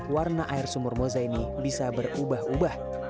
warna air sumur moza ini bisa berubah ubah